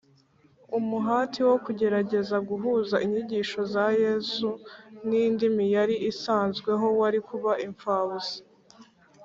umuhati wo kugerageza guhuza inyigisho za yesu n’idini yari isanzweho wari kuba imfabusa